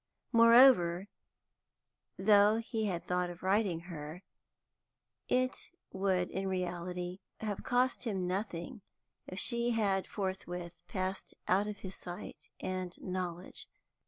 Moreover, though he had thought of writing to her, it would in reality have cost him nothing if she had forthwith passed out of his sight and knowledge.